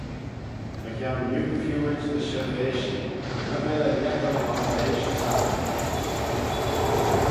Mychione neu-feeuid ny shirveishee, nagh vel eh lhiettal vondeish y sacrament.